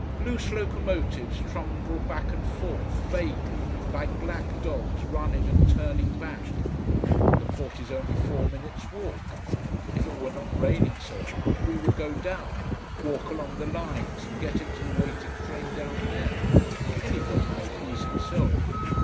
Loose locomotives trundle back and forth, vaguely, like black dogs running and turning back. The port is only four minutes' walk. If it were not raining so hard, we would go down, walk along the lines and get into the waiting train down there. Anybody may please himself.